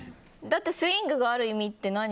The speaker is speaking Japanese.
だってスイングがある意味って何？